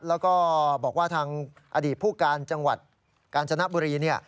แล้วก็บอกว่าทางอดีตผู้การจังหวัดกาญจนบุรี